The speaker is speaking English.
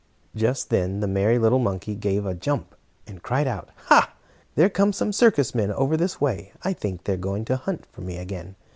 Just then the merry little monkey gave a jump, and cried out: "Ha! There come some circus men over this way. I think they are going to hunt for me again.